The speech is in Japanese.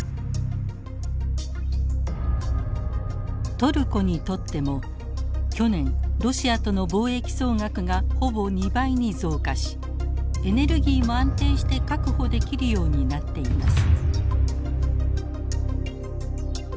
トルコにとっても去年ロシアとの貿易総額がほぼ２倍に増加しエネルギーも安定して確保できるようになっています。